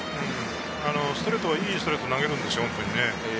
ストレートはいいストレートを投げるんですよ、本当に。